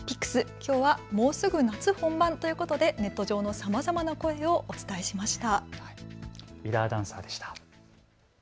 きょうはもうすぐ夏本番ということでネット上のさまざまな声をお伝えしました。